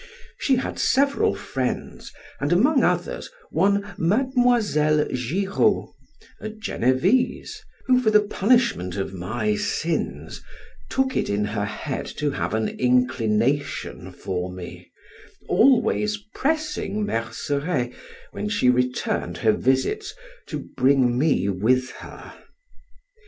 She had several friends, and among others one Mademoiselle Giraud, a Genevese, who, for the punishment of my sins, took it in her head to have an inclination for me, always pressing Merceret, when she returned her visits, to bring me with her.